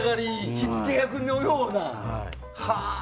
火付け役のような。